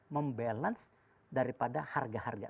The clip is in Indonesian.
membalance daripada harga harga